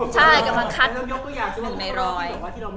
ใช่กำลังคัดหนึ่งในร้อย